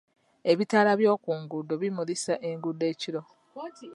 Ebitaala by'oku nguudo bimulisa enguudo ekiro